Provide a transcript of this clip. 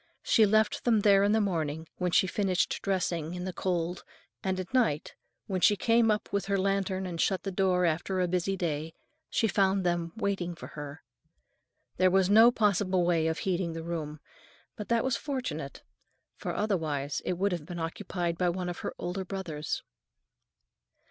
She left them there in the morning, when she finished dressing in the cold, and at night, when she came up with her lantern and shut the door after a busy day, she found them awaiting her. There was no possible way of heating the room, but that was fortunate, for otherwise it would have been occupied by one of her older brothers.